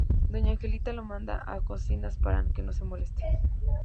Doña Angelita lo manda a cocinas para que no moleste.